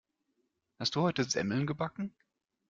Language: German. Hast du heute Semmeln gebacken?